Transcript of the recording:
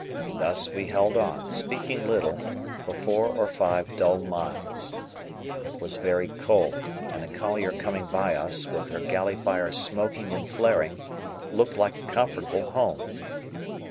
Thus we held on, speaking little, for four or five dull miles. It was very cold, and, a collier coming by us, with her galley fire smoking and flaring, looked like a comfortable home.